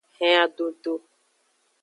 Hen adodo.